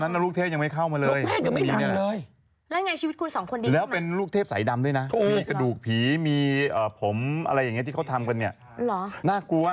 ตอนนั้นลูกเทพยังไม่เข้ามาเลยแล้วเป็นลูกเทพสายดำด้วยนะมีกระดูกผีมีผมอะไรอย่างเงี้ยที่เขาทำกันเนี่ยน่ากลัว